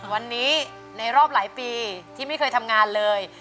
วันนี้ในรอบหลายปีที่ไม่เคยทำงานเลย